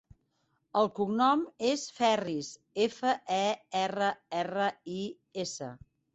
El cognom és Ferris: efa, e, erra, erra, i, essa.